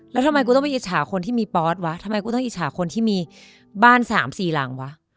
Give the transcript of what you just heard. แล้วทำไมกูต้องไปอิจฉาคนที่มีปอสวะทำไมกูต้องอิจฉาคนที่มีบ้าน๓๔หลังวะ